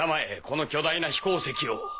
この巨大な飛行石を。